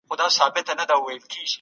د هغې وفاداري او صبر د دې بیه وه.